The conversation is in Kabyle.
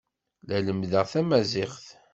La lemmdeɣ tamaziɣt.